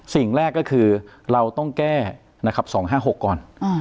สิ่งแรกก็คือเราต้องแก้๒๕๖ก่อน